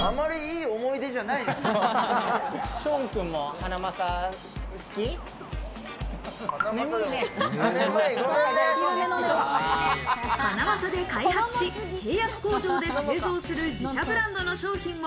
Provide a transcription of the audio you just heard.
ハナマサで開発し、契約工場で製造する自社ブランドの商品も。